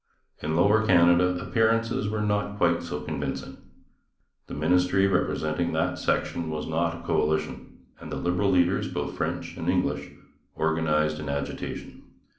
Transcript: In Lower Canada appearances were not quite so convincing. The ministry representing that section was not a coalition, and the Liberal leaders, both French and English, organized an agitation.